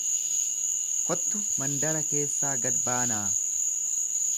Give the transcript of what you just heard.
Kottu mandara keessaa gad baanaa.